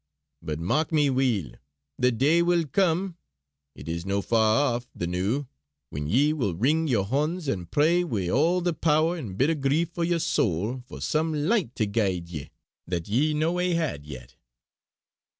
But mark me weel! the day will come it is no far aff the noo when ye will wring yer honds, and pray wi' all the power an' bitter grief o' yer soul for some licht to guide ye that ye no hae had yet!"